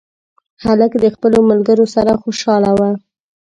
هلک د خپلو ملګرو سره خوشحاله و.